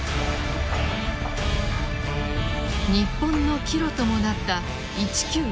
日本の岐路ともなった１９６４。